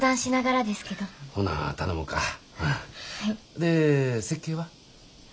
で設計は？